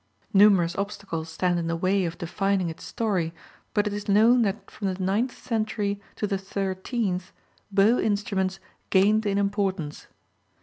Numerous obstacles stand in the way of defining its story, but it is known that from the ninth century to the thirteenth bow instruments gained in importance.